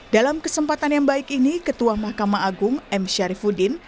dalam kesempatan yang baik ini ketua mahkamah agung m syarifudin